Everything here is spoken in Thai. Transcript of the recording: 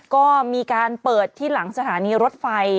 ก็มีการเปิดที่หลังสถานีรถไฟ